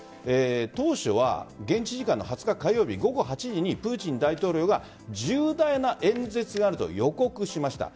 当初は現地時間の２０日火曜日午後８時にプーチン大統領が重大な演説があると予告しました。